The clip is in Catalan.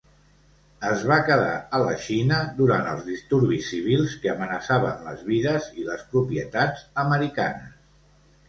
Es va quedar a la Xina durant els disturbis civils que amenaçaven les vides i les propietats americanes.